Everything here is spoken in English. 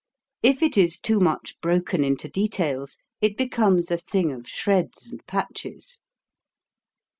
If it is too much broken into details, it becomes a thing of shreds and patches.